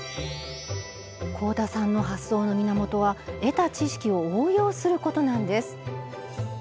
香田さんの発想の源は「得た知識を応用する」ことなんです。